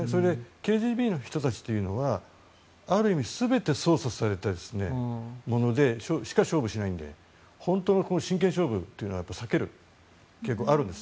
ＫＧＢの人たちというのはある意味全て操作されたものでしか勝負しないので本当の真剣勝負というのは避ける傾向があるんです。